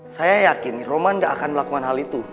saya yakin roman tidak akan melakukan hal itu